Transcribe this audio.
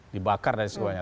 dibakar dari semuanya